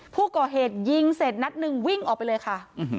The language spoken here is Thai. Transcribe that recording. ผู้ก่อเหตุยิงเสร็จนัดหนึ่งวิ่งออกไปเลยค่ะ